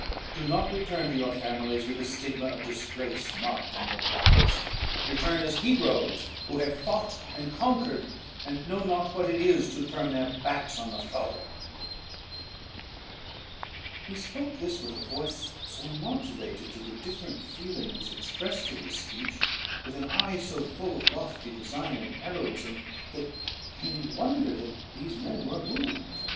Do not return to your families with the stigma of disgrace marked on your brows. Return, as heroes who have fought and conquered, and who know not what it is to turn their backs on the foe." He spoke this with a voice so modulated to the different feelings expressed in his speech, with an eye so full of lofty design and heroism, that can you wonder that these men were moved?